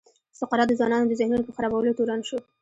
سقراط د ځوانانو د ذهنونو په خرابولو تورن شو.